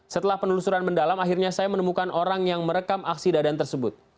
setelah penelusuran mendalam akhirnya saya menemukan orang yang merekam aksi dadan tersebut